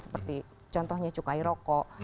seperti contohnya cukai rokok